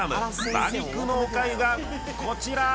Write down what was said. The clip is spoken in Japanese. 馬肉のお粥がこちら！